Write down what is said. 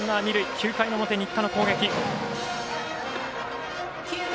９回の表、新田の攻撃。